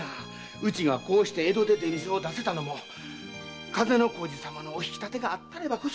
うちが江戸で出店を出せたのも風小路様のお引き立てがあったればこそ。